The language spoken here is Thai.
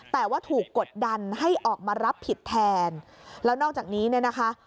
แต่ว่าถูกกดดันให้ออกมารับผิดแทนแล้วนอกจากนี้เนี่ยนะคะ